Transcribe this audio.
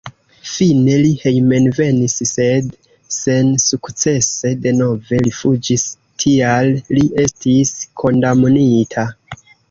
Fine li hejmenvenis, sed sensukcese denove rifuĝis, tial li estis kondamnita.